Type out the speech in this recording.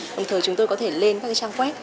đồng thời chúng tôi có thể lên các trang web